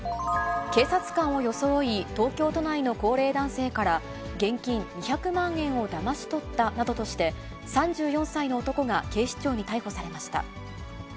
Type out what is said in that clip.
警察官を装い、東京都内の高齢男性から現金２００万円をだまし取ったなどとして、３４歳の男が警視庁に逮捕されました。